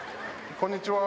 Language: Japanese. こんにちは。